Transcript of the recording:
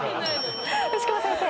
牛窪先生。